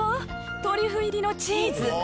トリュフ入りのチーズ。